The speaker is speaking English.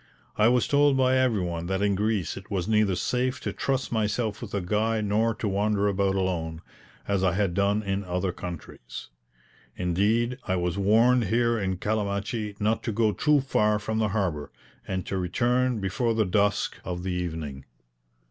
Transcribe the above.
I was told by everyone that in Greece it was neither safe to trust myself with a guide nor to wander about alone, as I had done in other countries; indeed, I was warned here in Calamachi not to go too far from the harbour, and to return before the dusk of the evening.